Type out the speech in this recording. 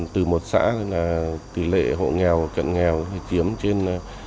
từ một xã thì tỷ lệ hộ nghèo cận nghèo thì chiếm trên bốn mươi